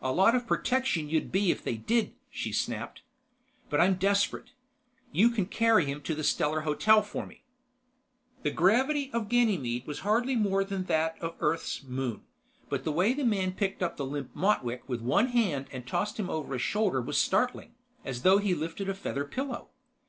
"A lot of protection you'd be if they did!" she snapped. "But I'm desperate. You can carry him to the Stellar Hotel for me." The gravity of Ganymede was hardly more than that of Earth's moon, but the way the man picked up the limp Motwick with one hand and tossed him over a shoulder was startling: as though he lifted a feather pillow.